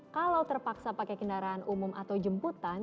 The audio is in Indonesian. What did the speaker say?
kalau terpaksa pakai kendaraan umum atau jemputan